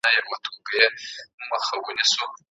ټولګي به ارام شي.